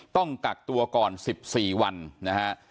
ต้องกักตัวก่อน๑๔วันนะฮะ